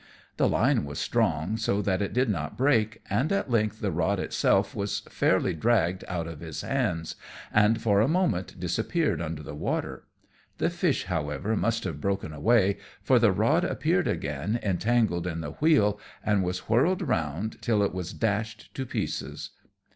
The line was strong, so that it did not break, and at length the rod itself was fairly dragged out of his hands, and for a moment disappeared under the water. The fish, however, must have broken away, for the rod appeared again entangled in the wheel, and was whirled round till it was dashed to pieces.